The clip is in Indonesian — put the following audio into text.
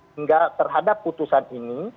hingga terhadap putusan ini